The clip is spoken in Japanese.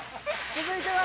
続いては。